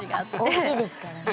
大きいですからね